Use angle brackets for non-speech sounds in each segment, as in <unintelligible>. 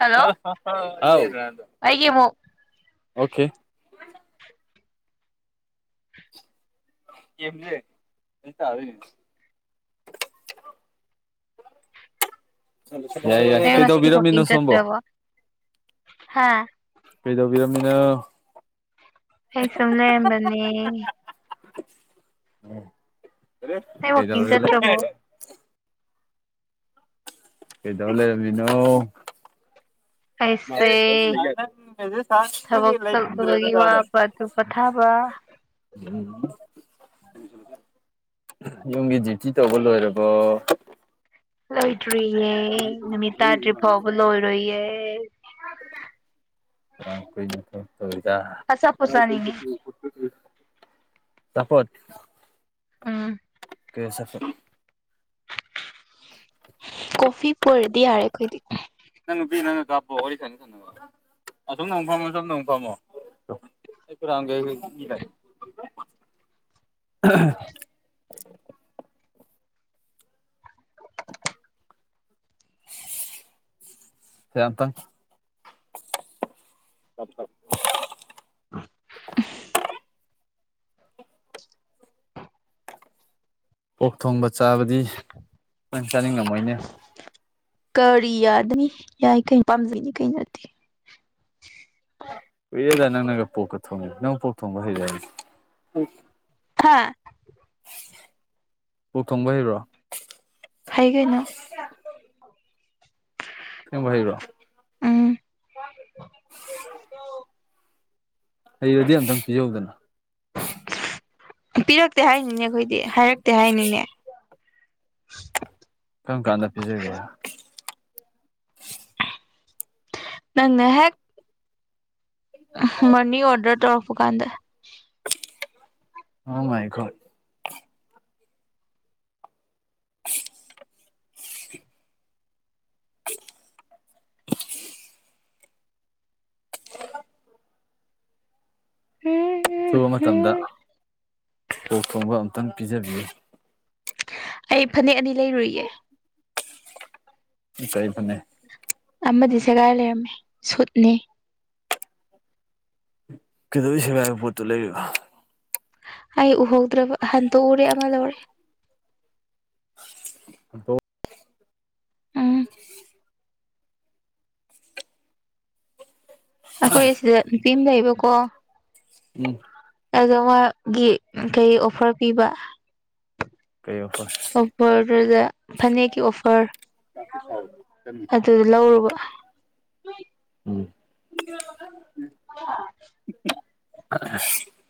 Hello ꯑꯩꯒꯤ ꯑꯃꯨꯛ okay ꯀꯦꯝꯖꯦ <unintelligible> ꯌꯥꯏ ꯌꯥ ꯅꯪ ꯉꯁꯤꯗꯤ ꯋꯥꯛꯀꯤꯡ ꯀꯗꯧꯕꯤꯔꯝꯅꫭ ꯁꫭꯝꯕꯨ ꯆꯠꯇ꯭ꯔꯕꯣ ꯍꯥꯥ ꯀꯩꯗꯧꯕꯤꯔꯝꯃꯤꯅꯣ ꯑꯩ ꯁꯨꯝ ꯂꯩꯔꯝꯕꯅꯦ ꯎ ꯅꯪ ꯀꯩ ꯋꯥꯛꯀꯤꯡ ꯆꯠꯇ꯭ꯔꯕꯣ <unintelligible> ꯀꯗꯧ ꯂꯩꯔꯝꯃꯤꯅꯣ ꯑꯩꯁꯦ ꯊꯕꯛ ꯆꯠꯂꯨꯕꯒꯤ ꯋꯥꯕ ꯑꯗꯨ ꯄꯣꯊꯥꯕ <unintelligible> ꯎꯝ <unintelligible> ꯌꯨꯝꯒꯤ ꯗ꯭ꯌꯨꯇꯤ ꯇꯧꯕ ꯂꯣꯏꯔꯕꯣ ꯂꯣꯏꯗ꯭ꯔꯤꯌꯦ ꯅꯨꯃꯤꯠ ꯇꯥꯗ꯭ꯔꯤ ꯐꯥꯎꯕ ꯂꯣꯏꯔꯣꯏꯌꯦ <unintelligible> ꯑꯆꯥꯄꯣꯠ ꯆꯥꯅꯤꯡꯉꯦ ꯆꯄꫭꯠ ꯎꯝ ꯀꯔꯦ ꯁꯐꯦ ꯀꯣꯐꯤ ꯄꯨꯔꯗꯤ ꯌꯥꯔꯦ ꯑꯩꯈꯣꯏꯗꯤ ꯅꯪ ꯅꯨꯄꯤ ꯅꯪꯅ ꯀꯥꯞꯄꯣ ꯋꯥꯔꯤ ꯁꯅ ꯁꯅꯕ ꯑꯁꯣꯝꯅ ꯑꯃꯨꯛ ꯐꯝꯃꯣ ꯁꯣꯝꯅ ꯑꯃꯨꯛ ꯐꯝꯃꯣ <unintelligible> ꯍꯇ <unintelligible> ꯆꯞ <unintelligible> <unintelligible> ꯑꯣꯛ ꯊꯣꯡꯕ ꯆꯥꯕꯗꯤ ꯅꯪ ꯆꯥꯅꯤꯡꯉꯝꯃꯣꯏꯅꯦ ꯀꯔꯤ ꯌꯥꯗꯅꯤ ꯌꯥꯏ ꯀꯩꯅꫭ ꯄꯥꯝꯖꯩꯅꯤ ꯀꯩꯅꫭ ꯗꯨꯗꯤ ꯀꯨꯏꯔꯦꯗ ꯅꯪꯅꯒ ꯄꯣꯛꯀ ꯊꯣꯡꯉꯤ ꯅꯪ ꯄꯣꯛ ꯊꯣꯡꯕ ꯍꯩꯕꯔꯅꯦ ꯊꯥ ꯄꫭꯔꯛ ꯊꯣꯡꯕ ꯍꯩꯕ꯭ꯔꯣ ꯍꯩ ‌ꯀꯩꯅꯣ ꯑꯁꯦꯡꯕ ꯍꯩꯕ꯭ꯔꯣ ꯎꯝ ꯍꯩꯔꯗꯤ ꯑꯝꯇꯪ ꯄꯤꯖꯧꯗꯅ ꯄꯤꯔꯛꯇꯦ ꯍꯥꯏꯅꯤꯅꯦ ꯑꯩꯈꯣꯏꯗꯤ ꯍꯥꯏꯔꯛꯇꯦ ꯍꯥꯏꯅꯤꯅꯦ ꯀꯔꯝ ꯀꯥꯟꯗ ꯄꯤꯖꯒꯦ ꯅꯪ ꯍꯦꯛ ꯃꯅꯤ ꯑꯣꯔꯗꯔ ꯇꯧꯔꯛꯄ ꯀꯥꯟꯗ ꯑꫭ ꯃꯥꯏ ꯒꫭꯠ ꯎꯝ ꯎꯝ ꯑꯊꯨꯕ ꯃꯇꯝꯗ ꯎꯝ ꯄꫭꯛ ꯊꯣꯡꯕ ꯑꯝꯇꯪ ꯄꯤꯖꯕꯤꯌꯨ ꯑꯩ ꯐꯅꯦꯛ ꯑꯅꯤ ꯂꯩꯔꯨꯏꯌꯦ ꯆꯩ ꯐꯅꯦꯛ ꯑꯃꯗꯤ ꯁꯦꯒꯥꯏ ꯂꯩꯔꯝꯃꯦ ꯁꯨꯠꯅꯦ ꯀꯩꯗꯧꯕꯩ ꯁꯦꯒꯥꯏꯕ ꯄꯣꯠꯇꯣ ꯂꯩꯔꯤꯕ ꯑꯩ ꯎꯍꯧꯗ꯭ꯔꯕ ꯍꯟꯇꯣꯛꯎꯔꯦ ꯑꯃ ꯂꯧꯔꯦ ꯗꯣ ꯎꯝ ꯑꯩꯈꯣꯏ ꯑꯁꯤꯗ ꯅꯨꯄꯤ ꯑꯃ ꯂꯩꯕꯀꯣ ꯎꯝ ꯑ ꯃꯥꯒꯤ ꯀꯩ ꯑꯣꯐꯔ ꯄꯤꯕ ꯀꯩ ꯑꫭꯐꯔ ꯑꯣꯐꯔ ꯐꯅꯦꯛ ꯀꯤ ꯑꯣꯐꯔ <unintelligible> ꯑꯗꯨꯗꯥ ꯂꯧꯔꯨꯕ ꯎꯝ <unintelligible> <unintelligible>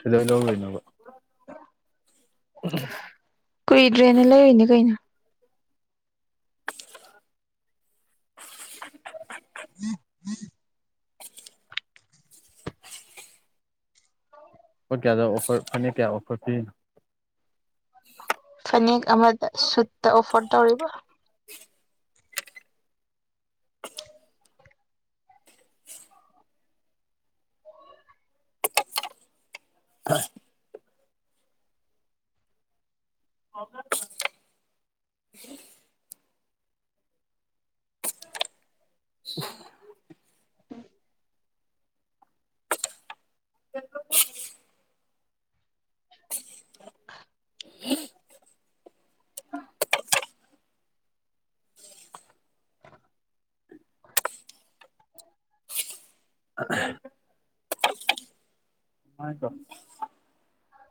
ꯀꯩꯗꯧꯕꯩ ꯂꯧꯔꯨꯏꯅꯣꯕ <inaudible> <unintelligible> ꯀꯨꯏꯗ꯭ꯔꯦꯅꯦ ꯂꯩꯔꯨꯏꯅꯤ ꯀꯩꯅꯣ <unintelligible> ꯂꯨꯄꯥ ꯀꯌꯥꯗ ꯑꯣꯐꯔ ꯐꯅꯦꯛ ꯀꯌꯥ ꯑꯣꯐꯔ ꯄꯤꯔꯤꯅꯣ ꯐꯅꯦꯛ ꯑꯃꯗ ꯁꯨꯠꯇ ꯑꯣꯐꯔ ꯇꯧꯔꯤꯕꯥ ꯎꯝ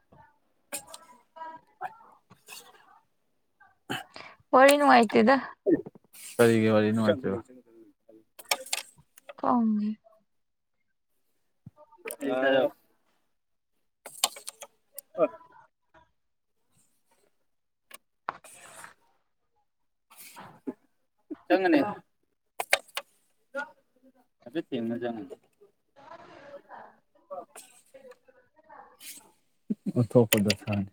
<unintelligible> ꯋꯥꯔꯤ ꯅꯨꯡꯉꯥꯏꯇꯦꯗ ꯀꯔꯤꯒꯤ ꯋꯥꯔꯤ ꯅꯨꯡꯉꯥꯢꯇ꯭ꯔꯤꯕ ꯀꯥꯎꯑꯦ <inaudible> ꯅꯪ ꯅꯅꯦ ꯌꯦꯡꯅꯖ ꯑꯣꯟꯊꯣꯛꯄꯗ ꯗꯁꯥꯅꯤ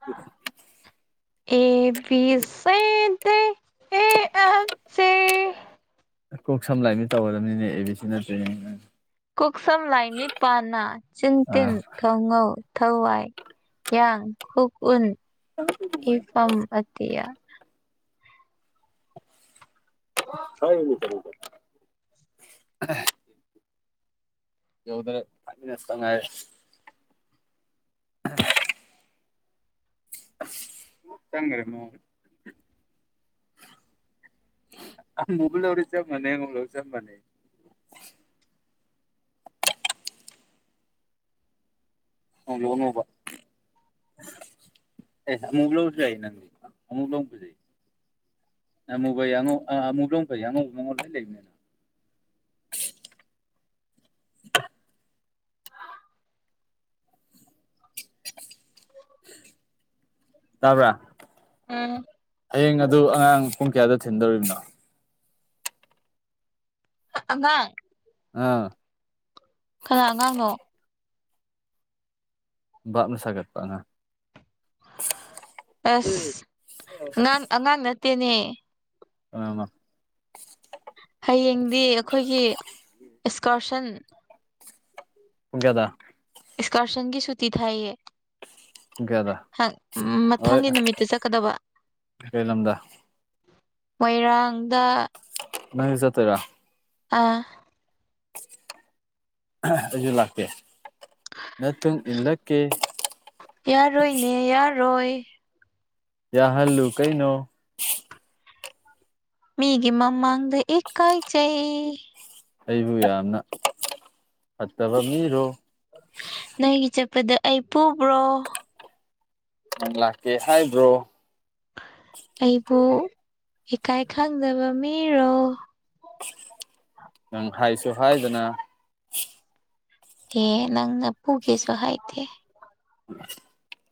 ꯃꯥ A B C D E F G ꯀꯣꯛ ꯁꯝ ꯂꯥꯏ ꯃꯤꯠ ꯇꯧꯒꯗꯕꯅꯤꯅꯦ ꯑꯦ ꯕꯤ ꯁꯤ ꯅꯠꯇꯦꯅꯦ ꯀꯣꯛ ꯁꯝ ꯂꯥꯏ ꯃꯤꯠ ꯄꯥ ꯅꯥ ꯆꯤꯟ ꯇꯤꯟ ꯑꯥ ꯈꯧ ꯉꯧ ꯊ ꯋꯥꯏ ꯌꯥꯡ ꯍꯨꯛ ꯎ ꯏ ꯐꯝ ꯑꯇꯤꯌꯥ <unintelligible> <unintelligible> <unintelligible> ꯆꯪꯒꯔꯦ ꯃꯑꯣꯡꯗ ꯑꯃꯨꯕ ꯂꯧꯔꯁꯨ ꯆꯞ ꯃꯥꯟꯅꯩ ꯑꯉꯧꯕ ꯂꯧꯔꯁꯨ ꯆꯞ ꯃꯥꯟꯅꯩ꯫ <unintelligible> ꯑꯦ ꯑꯃꯨꯕ ꯂꯧꯔꯁꯨ ꯌꯥꯏꯗ ꯅꯪꯒꯤꯗꯣ ꯑꯃꯨꯕ ꯂꯧ ꯐꯖꯩ ꯑꯃꯨꯕ ꯑꯌꯦ ꯑꯉꯧ- ꯑꯃꯨꯕꯅ ꯑꯃꯨꯛ ꯐꯩꯌꯦ ꯑꯉꯧꯕ ꯃꯥꯉꯣꯟꯗ ꯂꯣꯏ ꯂꯩꯕꯅꯤꯅ ꯇꯕ꯭ꯔꯥ ꯎꯝ ꯍꯌꯦꯡ ꯑꯗꯨ ꯑꯉꯥꯡ ꯄꯨꯡ ꯀꯌꯥꯗ ꯊꯤꯟꯗꯧꯔꯤꯕꯅꯣ? ꯑꯉꯥꯡ ꯑꯥ꯫ ꯀꯅꯥ ꯑꯉꯥꯡꯅꯣ? ꯚꯥꯕꯅ ꯁꯥꯒꯠꯄꯥ ꯑꯉꯥꯡ ꯑꯁ ꯑꯉꯥꯡ- ꯑꯉꯥꯡ ꯅꯠꯇꯦꯅꯦ ꯀꯅꯥꯅꯣ ꯍꯌꯦꯡꯗꯤ ꯑꯩꯈꯣꯏꯒꯤ ꯑꯦꯛꯁꯀꯔꯁꯟ ꯄꯨꯨꯡ ꯀꯌꯥꯗ? ꯏꯁꯀꯥꯔꯁꯟꯒꯤ ꯁꯨꯇꯤ ꯊꯥꯏꯌꯦ ꯄꯨꯡ ꯀꯌꯥꯗ ꯍ- ꯍꯣꯏ ꯃꯊꯪꯒꯤ ꯅꯨꯃꯤꯠꯇ ꯆꯠꯀꯗꯕ ꯀꯩ ꯂꯝꯗ ꯃꯣꯏꯔꯥꯡꯗ ꯅꯪꯁꯨ ꯆꯠꯇꯣꯏꯔꯣ? ꯑꯥ <unintelligible> ꯑꯩꯁꯨ ꯂꯥꯛꯀꯦ ꯅꯇꯨꯡ ꯏꯜꯂꯛꯀꯦ ꯌꯥꯔꯣꯏꯅꯦ ꯌꯥꯔꯣꯏ ꯌꯥꯍꯜꯂꯨ ꯀꯩꯅꯣ ꯃꯤꯒꯤ ꯃꯃꯥꯡꯗ ꯏꯀꯥꯏꯖꯩ ꯑꯩꯕꯨ ꯌꯥꯝꯅ ꯐꯠꯇꯕ ꯃꯤꯔꯣ ꯅꯣꯏꯒꯤ ꯆꯠꯄꯗ ꯑꯩ ꯄꯨꯕ꯭ꯔꯣ? ꯅꯪ ꯂꯥꯛꯀꯦ ꯍꯥꯏꯕ꯭ꯔꯣ ꯑꯩꯕꯨ ꯏꯀꯥꯏ ꯈꯪꯗꯕ ꯃꯤꯔꯣ ꯅꯪ ꯍꯥꯏꯁꯨ ꯍꯥꯏꯗꯅ ꯍꯦ ꯅꯪꯅ ꯄꯨꯒꯦꯁꯨ ꯍꯥꯏꯗꯦ <unintelligible>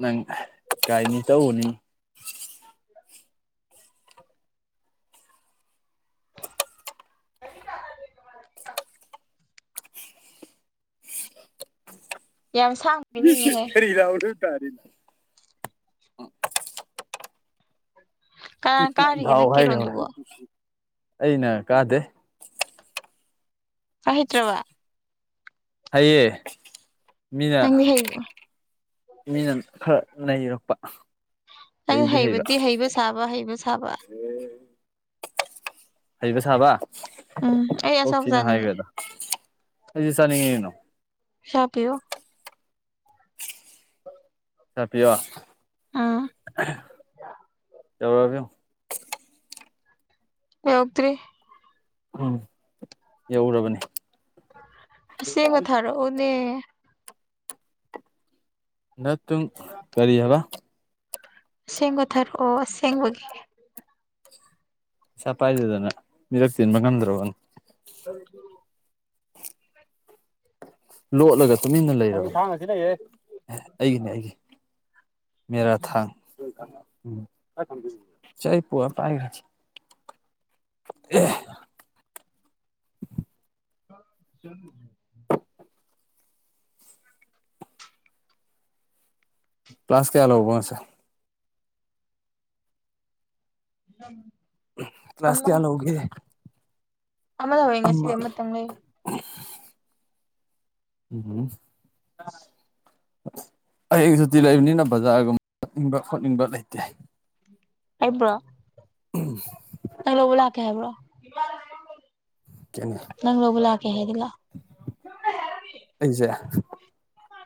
ꯅꯪ ꯏꯀꯥꯏꯅꯤ ꯇꯧꯕꯅꯤ ꯌꯥꯝ ꯁꯥꯡ <unintelligible> ꯀꯅꯥ <unintelligible> ꯀꯥꯔꯤꯒꯦ ꯊꯥꯎ ꯅꯪ ꯍꯥꯏꯔꯣ ꯀꯦꯔꯣꯟꯗꯨꯕꯣ ꯑꯩꯅ ꯀꯥꯗꯦ ꯄꯥꯏ ꯍꯩꯇ꯭ꯔꯥꯕ ꯍꯩꯌꯦ ꯅꯪꯗꯤ ꯃꯤꯅ ꯍꯩꯕ ꯃꯤꯅ ꯈꯔ ꯅꯩꯔꯛꯄ ꯑꯩ ꯍꯩꯕꯗꯤ ꯍꯩꯕ ꯁꯥꯕ ꯍꯩꯕ ꯁꯥꯕ <unintelligible> ꯍꯩꯕ ꯁꯥꯕ ꯎꯝ ꯑꯩ ꯑꯣꯟꯊꯣꯛ ꯑꯆꯥꯄꯣꯠ ꯊꯤꯅ ꯆꯥꯅꯤꯡꯉꯦ ꯍꯥꯏꯈ꯭ꯔꯦꯗ ꯑꯩꯗꯤ ꯆꯥꯅꯤꯡꯉꯤ ꯀꯩꯅꯣ ꯄꯩꯁꯥ ꯄꯤꯌꯣ ꯄꯩꯁꯥ ꯄꯤꯌꯣ ꯎꯝ ꯌꯧꯔꯛꯑꯕ ꯌꯦꯡꯑꯣ ꯌꯧꯛꯇ꯭ꯔꯤ ꯎꯝ ꯌꯧꯔꯕꯅꯤ ꯑꯁꯦꯡꯕ ꯊꯥꯔꯛꯑꯣꯅꯦ ꯅꯠꯇꯨꯡ <unintelligible> ꯀꯔꯤ ꯍꯥꯏꯕ ꯑꯁꯦꯡꯕ ꯊꯥꯔꯛꯑꯣ ꯑꯁꯦꯡꯕꯒꯤ ꯄꯩꯁꯥ ꯄꯥꯏꯗꯗꯅ ꯃꯤꯔꯛ ꯇꯤꯟꯕ ꯉꯝꯗ꯭ꯔꯕꯅꯦ <inaudible> ꯂꯣꯠꯂꯒ ꯇꯨꯃꯤꯟꯅ ꯂꯩꯔꯕꯅꯦ ꯑꯩꯒꯤꯅꯦ ꯑꯩꯒꯤ ꯃꯦꯔꯥ ꯊꯥ <unintelligible> <inaudible> ꯀ꯭ꯂ꯭ꯂꯥꯁ ꯀꯌꯥꯂꯧꯕ ꯉꯁꯥꯏ <inaudible> ꯀ꯭ꯂ꯭ꯂꯥꯁ ꯑꯃ ꯀꯌꯥ ꯂꯧꯒꯦ ꯑꯃ ꯂꯧꯋꯦ ꯉꯁꯤꯗꯤ ꯑꯃ ꯑꯃꯇꯪ ꯂꯩ ꯎꯝ <unintelligible> ꯍꯌꯦꯡ ꯁꯨꯇꯤ ꯂꯩꯕꯅꯤꯅ ꯕꯖꯥꯔꯒꯨꯝꯕ ꯆꯠꯅꯤꯡꯕ ꯈꯣꯠꯅꯤꯡꯕ ꯂꯩꯇꯦ ꯑꯩꯕꯨꯔꯣ ꯅꯪ ꯂꯧꯕ ꯂꯥꯛꯀꯦ ꯍꯥꯏꯕ꯭ꯔꯣ ꯀꯩꯅꯣ ꯅꯪ ꯂꯧꯕ ꯂꯥꯛꯀꯦ ꯍꯥꯏꯔꯗꯤ ꯂꯥꯎ ꯑꯩꯖꯦ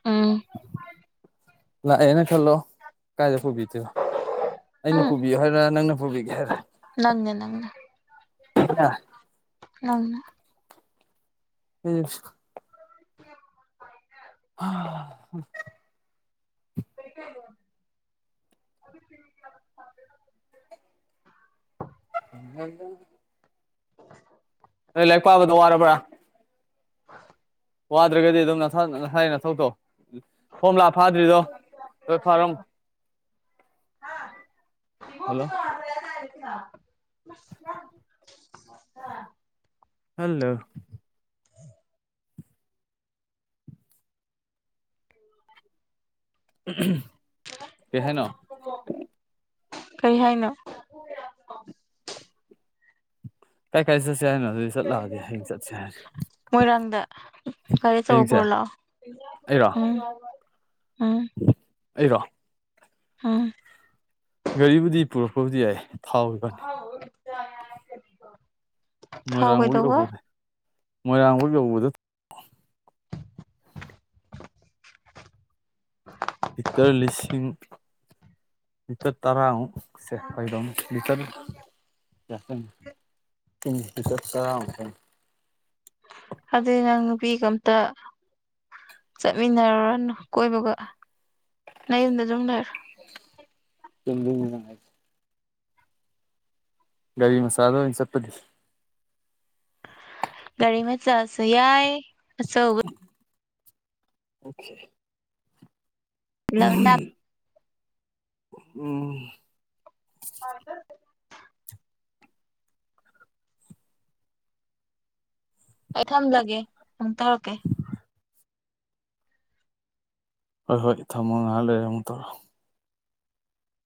ꯎꯝ ꯂꯥꯛꯑꯦꯅ ꯈꯜꯂꯣ ꯀꯥꯏꯗ ꯄꯨꯕꯤ <unintelligible> ꯑꯩꯅ ꯎꯝ ꯄꯨꯕꯤꯌꯨ ꯍꯥꯏꯔ ꯅꯪꯅ ꯄꯨꯕꯤꯒꯦ ꯍꯥꯏꯔꯥ ꯅꯪꯅ ꯅꯪꯅ ꯅꯪꯅ <unintelligible> <inaudible> ꯍ <unintelligible> <unintelligible> <unintelligible> ꯅꯣꯏ ꯂꯥꯏꯔꯤꯛ ꯄꯥꯕꯗꯣ ꯋꯥꯔꯕ꯭ꯔꯥ <unintelligible> ꯋꯥꯗ꯭ꯔꯒꯗꯤ ꯑꯗꯨꯝ ꯅꯁꯥꯏ ꯅꯊꯧ ꯇꯧ ꯍꯣꯝ ꯂꯥ ꯐꯥꯗ꯭ꯔꯤꯗꯣ ꯂꯣꯏ ꯐꯥꯔꯝ ꯍꯜꯂꯣ ꯏ <unintelligible> ꯈꯜꯂ ꯍꯥꯏꯅ ꯀꯔꯤ ꯍꯥꯏꯅꯣ ꯀꯥꯏ ꯀꯥꯏ ꯆꯠꯦ ꯍꯥꯏꯦꯅ ꯑꯗꯨꯗꯤ ꯆꯠꯂꯗꯤꯦ ꯍ ꯁꯠꯁ ꯍꯥꯏ ꯃꯣꯏꯔꯥꯡꯗ ꯍꯌꯦꯡꯁꯦ ꯀꯒꯥꯔꯤꯆꯧꯕ꯭ꯔꯣꯂꯣ ꯑꯩꯔꯣ ꯑꯝ ꯑꯩꯔꯣ ꯑꯝ ꯒꯥꯔꯤꯕꯨꯗꯤ ꯄꯨꯔꯛꯄꯕꯨꯗꯤ ꯌꯥꯏ ꯊꯥꯎ ꯐꯅꯤ <inaudible> ꯊꯥꯎ ꯃꯣꯏꯔꯥꯡꯐꯧ ꯀꯩꯗꯧꯕ ꯌꯧꯕꯗ ꯃꯣꯏꯔꯥꯡꯐꯧ ꯌꯧꯕꯗ ꯂꯤꯇꯔ ꯂꯤꯁꯤꯡ ꯂꯤꯇꯔ ꯇꯔꯥꯃꯨꯛ ꯁꯦ ꯍ ꯂ ꯂꯤꯇꯔ ꯌꯥꯔ ꯆ ꯑꯗꯨꯏ ꯅꯪ ꯅꯨꯄꯤꯒ ꯑꯝꯇ ꯆꯠꯃꯤꯟꯅꯔꯨꯔꯅꯨ ꯀꯣꯏꯕꯒ ꯅꯌꯨꯝꯗ ꯗꯨꯝ ꯂꯩꯔꯣ <unintelligible> ꯒꯥꯔꯤ ꯃꯆꯥꯗ ꯑꯣꯏ ꯆꯠꯄꯗꯤ ꯒꯥꯔꯤ ꯃꯆꯥꯁꯨ ꯌꯥꯏ ꯑꯆꯧꯕ ꯑꯣꯈꯦ ꯂꯝ ꯌꯥꯏ꯫ <unintelligible> ꯎꯝ <unintelligible> ꯑꯩ ꯊꯝꯂꯒꯦ ꯑꯃꯨ ꯇꯧꯔꯛꯀꯦ ꯍꯣꯏ ꯍꯣꯏ ꯊꯝꯃꯣ ꯉꯥꯏꯍꯥꯛ ꯂꯩꯔꯦ ꯑꯃꯨꯛ ꯇꯧꯔꯑꯣ